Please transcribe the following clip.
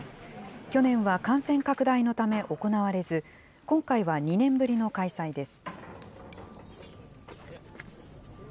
去年は感染拡大のため行われず、今回は２年ぶりの開催です。